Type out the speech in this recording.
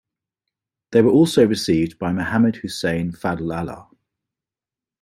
They were also received by Mohammad Hussein Fadlallah.